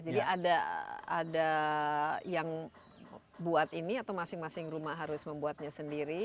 jadi ada yang buat ini atau masing masing rumah harus membuatnya sendiri